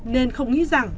nên không nghĩ rằng